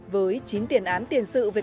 với chín tiền án tiền sự về các tội danh